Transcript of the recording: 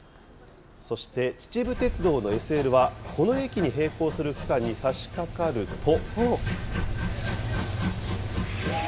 そして秩父鉄道のＳＬはこの駅に並行する区間にさしかかると。